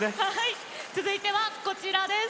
続いてはこちらです。